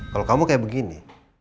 kalau kamu kayak begini